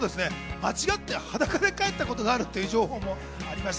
間違って裸で帰ったことあるっていう情報もありました。